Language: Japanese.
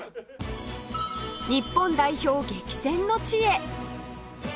日本代表激戦の地へ